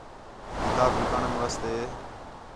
کتاب وکݨ واسطے